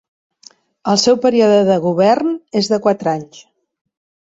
El seu període de govern és de quatre anys.